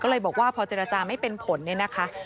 ก็เลยบอกว่าพอเจรจาไม่เป็นผลเนี่ยนะคะ